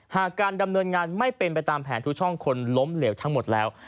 หากการดำเนินงานไม่เป็นไปตามแผนทุกช่องคนล้มเหลวทั้งหมดแล้ว